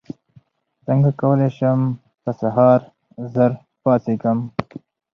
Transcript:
څنګه کولی شم په سهار ژر پاڅېږم